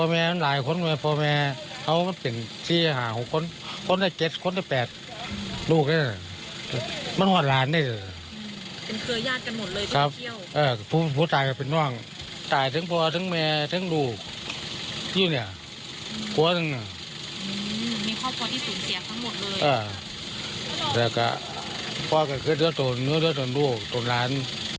และก็ก็อย่าให้เพื่อเท่ากันคือเหนือเทราจนลูกตัวนั้น